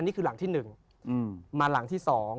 อันนี้คือหลังที่หนึ่งมาหลังที่สอง